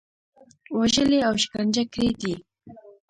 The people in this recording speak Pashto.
وژلي او شکنجه کړي دي.